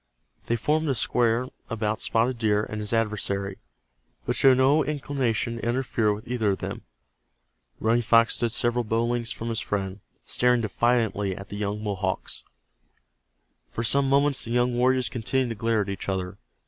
They formed a square about Spotted Deer and his adversary, but showed no inclination to interfere with either of them. Running Fox stood several bow lengths from his friend, staring defiantly at the young Mohawks. For some moments the young warriors continued to glare at each other.